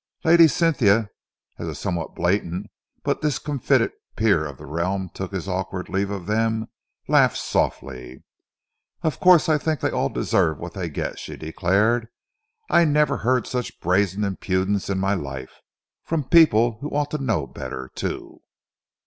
Lady Cynthia, as a somewhat blatant but discomfited Peer of the Realm took his awkward leave of them, laughed softly. "Of course, I think they all deserve what they get," she declared. "I never heard such brazen impudence in my life from people who ought to know better, too."